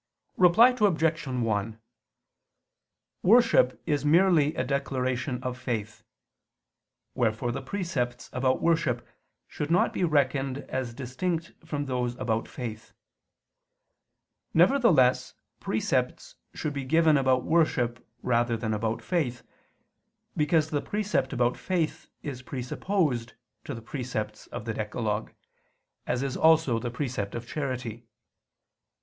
Reply Obj. 1: Worship is merely a declaration of faith: wherefore the precepts about worship should not be reckoned as distinct from those about faith. Nevertheless precepts should be given about worship rather than about faith, because the precept about faith is presupposed to the precepts of the decalogue, as is also the precept of charity.